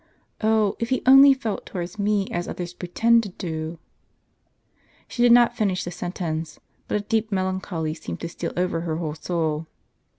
Oh, if he only felt towards me as others pretend to do —" She did not finish the sentence, but a deep melan choly seemed to steal over her whole soul.